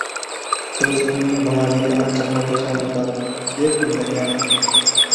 Biz uning bolaligi ancha xotirjam o‘tadi, deb o‘ylagan edik